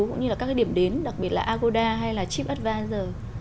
cũng như là các cái điểm đến đặc biệt là agoda hay là chipadvisor